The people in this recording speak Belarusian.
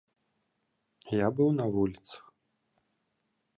Я быў на вуліцах.